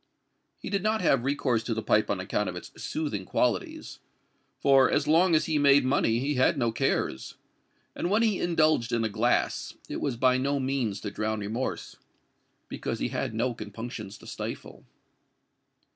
He did not have recourse to the pipe on account of its soothing qualities—for as long as he made money, he had no cares; and when he indulged in a glass, it was by no means to drown remorse—because he had no compunctions to stifle.